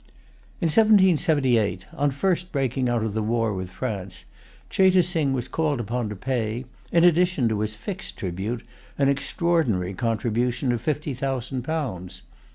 In 1778, on the first breaking out of the war with France, Cheyte Sing was called upon to pay, in addition to his fixed tribute, an extraordinary contribution of fifty thousand pounds.